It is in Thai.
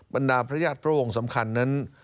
บรรดาพระญาติพระองค์สำคัญนั้น